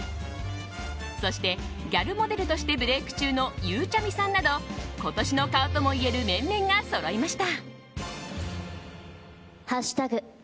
そして、ギャルモデルとしてブレーク中のゆうちゃみさんなど今年の顔ともいえる面々がそろいました。